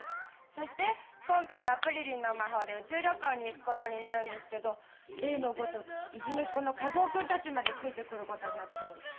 そして今回はプリリンの魔法で宇宙旅行に行くことになるんですけど例のごとくいじめっ子のカズオ君たちまでついてくることになっちゃうんです。